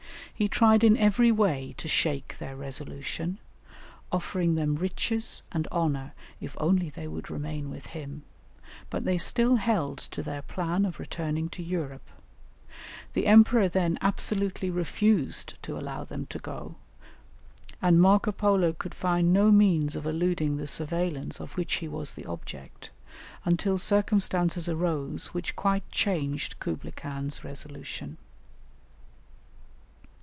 He tried in every way to shake their resolution, offering them riches and honour if only they would remain with him, but they still held to their plan of returning to Europe; the Emperor then absolutely refused to allow them to go, and Marco Polo could find no means of eluding the surveillance of which he was the object, until circumstances arose which quite changed Kublaï Khan's resolution.